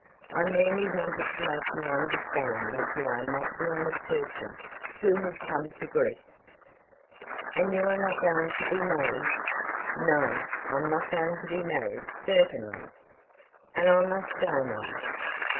I merely wanted to make you understand that you are not the only person who has come to grief." "And you are not going to be married?" "No; I'm not going to be married, certainly." "And I must go now?"